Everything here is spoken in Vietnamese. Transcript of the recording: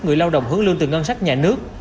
người lao động hướng lương từ ngân sách nhà nước